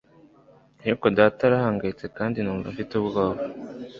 Ariko data arahangayitse kandi numva mfite ubwoba.